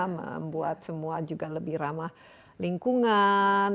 membuat semua juga lebih ramah lingkungan